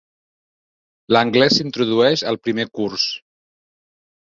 L'anglès s'introdueix al primer curs.